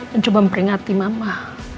dan coba memperingati mama